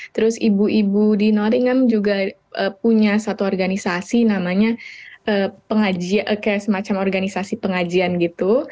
terus ibu ibu di nottingham juga punya satu organisasi namanya pengajian kayak semacam organisasi pengajian gitu